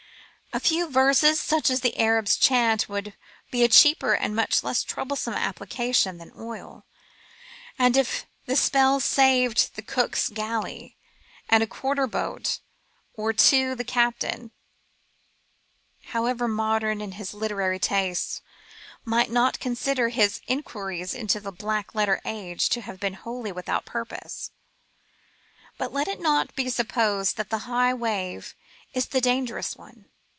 A few verses such as the Arab's chant would be a cheaper and much less troublesome application than oil, and if the spell saved the cook's galley and a quarter boat or two the captain, however modern in his literary tastes, might not consider his inquiries into the black letter age to have been wholly without purpose. But let it not be supposed that the high wave is the dangerous one.